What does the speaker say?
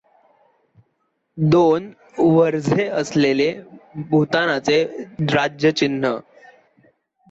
दोन वज्रे असलेले भूतानाचे राजचिन्ह